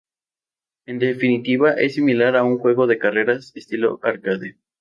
En definitiva, es similar a un juego de carreras estilo Arcade.